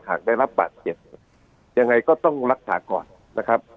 หากได้รับบัตรเกี่ยวกันยังไงก็ต้องรักษาก่อนนะครับ